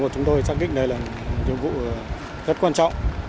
năm trăm một mươi một chúng tôi chắc đích đây là một nhiệm vụ rất quan trọng